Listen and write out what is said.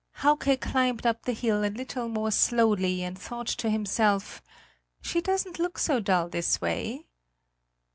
Hauke climbed up the hill a little more slowly, and thought to himself: "She doesn't look so dull this way!"